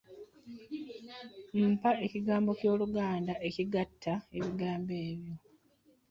Mpa ekigambo ky'Oluganda ekigatta ebigambo ebyo.